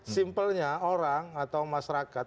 simpelnya orang atau masyarakat